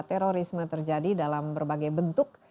terorisme terjadi dalam berbagai bentuk